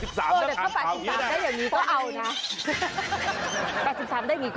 แต่ถ้า๘๓ได้อย่างนี้ก็เอานะได้อย่างนี้ก็เอาอย่างนี้